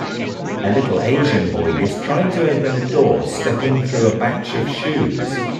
A little Asian boy is trying to open a door stepping through a batch of shoes